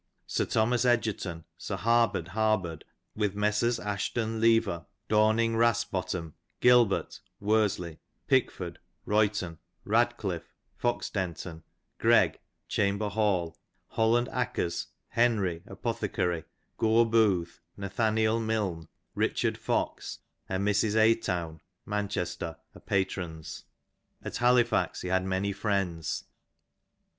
Sir Thomas Egerton, Sir Harbord Harbord, with Messrs. Ashton Lever, Dom ing Basbotham, Gilbert (Worsley), Pickford (Royton), BadclyflFe (Foxdenton), Gregge (Chamber Hall), Holland Ackers, Henry (apothecary), Gt>re Booth, Nathaniel Milne, Richard Fox, and Mrs. Aytoun (Manchester) are patrons. At HaUfax he had many friends.